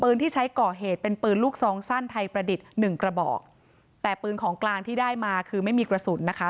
ที่ใช้ก่อเหตุเป็นปืนลูกซองสั้นไทยประดิษฐ์หนึ่งกระบอกแต่ปืนของกลางที่ได้มาคือไม่มีกระสุนนะคะ